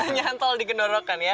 nyantol digendorokan ya